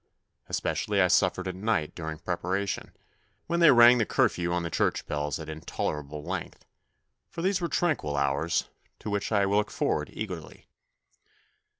Especially I suffered at night during prepara tion, when they rang the curfew on the church bells at intolerable length, for these were tranquil hours to which I looked for ward eagerly.